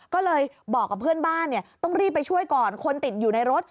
ก็เลยบอกกับเพื่อนบ้านต้องรีบไปช่วยก่อนคนติดอยู่ในรถ